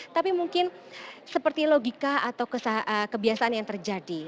tapi mungkin seperti logika atau kebiasaan yang terjadi